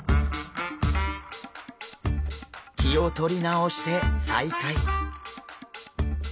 気を取り直して再開。